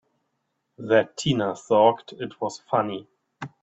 That Tina thought it was funny!